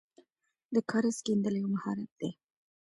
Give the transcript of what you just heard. د کاریز کیندل یو مهارت دی.